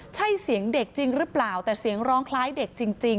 ใช่เสียงเด็กจริงหรือเปล่าแต่เสียงร้องคล้ายเด็กจริง